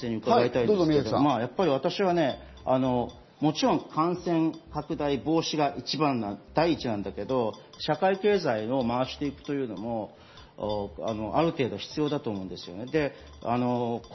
私は感染拡大防止が一番なんだけれども、社会経済を回していくというのもある程度必要だと思うんですね。